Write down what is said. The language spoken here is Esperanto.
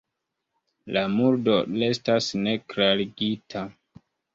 La murdo restas neklarigita.